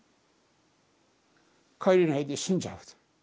帰れないで死んじゃうんです。